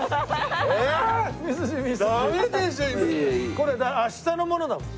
これ明日のものだもん。